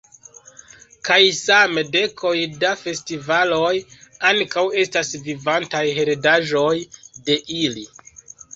Kaj same, dekoj da festivaloj ankaŭ estas vivantaj heredaĵoj de ili.